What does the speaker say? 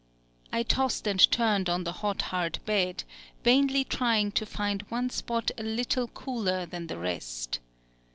I tossed and turned on the hot hard bed, vainly trying to find one spot a little cooler than the rest.